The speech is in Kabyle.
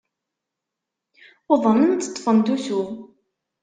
Uḍnent, ṭṭfent usu.